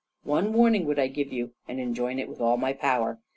One warning would I give you and enjoin it with all my power.